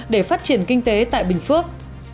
để phát triển kinh tế tại bình phước